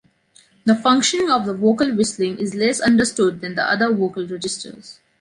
The functioning of the vocal whistling is less understood than the other vocal registers.